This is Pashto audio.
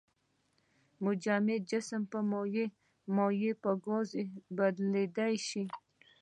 جامد جسم په مایع، مایع په ګاز بدلولی شو.